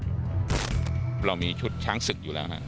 เรามีชุดช้างศึกอยู่แล้วฮะ